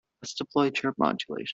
Let's deploy chirp modulation.